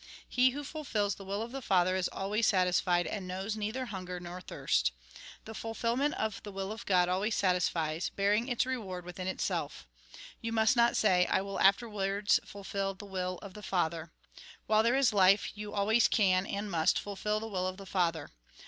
He who fulfils the will of the Father is always satisfied, and knows neither hunger nor thirst. The fulfilment of the will of God always satisfies, bearing its reward within itself. You must not say, ' I will after wards fulfil the will of the Father.' While there is life, you always can, and must, fulfil the will of the Father.